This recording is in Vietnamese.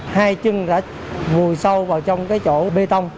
hai chân đã vùi sâu vào trong cái chỗ bê tông